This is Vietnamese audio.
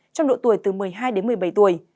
trong độ tuổi từ một mươi hai đến một mươi bảy tuổi